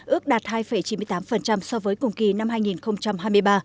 ước đạt hai chín mươi tám so với cùng kỳ năm hai nghìn hai mươi ba